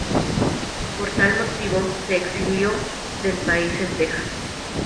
Por tal motivo se exilió del país en Texas.